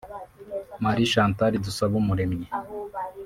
Marie Chantal Dusabumuremyi